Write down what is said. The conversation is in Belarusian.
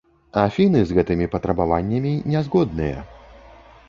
Афіны з гэтымі патрабаваннямі не згодныя.